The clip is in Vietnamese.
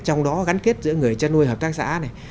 trong đó gắn kết giữa người chăn nuôi hợp tác xã này